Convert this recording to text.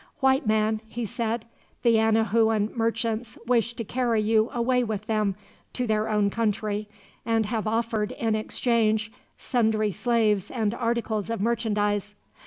"White man," he said, "the Anahuan merchants wish to carry you away with them to their own country; and have offered, in exchange, sundry slaves and articles of merchandise.